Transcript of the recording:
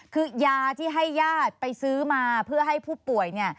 คือยาที่ให้ญาติไปซื้อมาเพื่อให้ผู้ป่วย